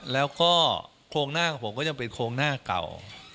แล้วก็โครงหน้าของผมก็ยังเป็นโครงหน้าเก่า